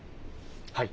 はい。